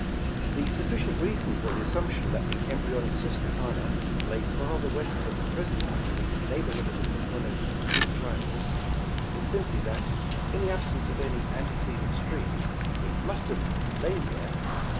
The sufficient reason for the assumption that the embryonic Susquehanna lay farther west than the present one in the neigh borhood of the Pocono synclinals is simply that — in the absence of any antecedent stream — it must have lain there.